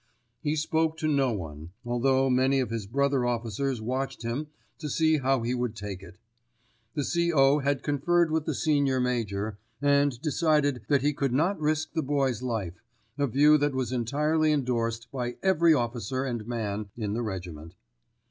He spoke to no one, although many of his brother officers watched him to see how he would take it. The C.O. had conferred with the Senior Major, and decided that he could not risk the Boy's life, a view that was entirely endorsed by every officer and man in the regiment.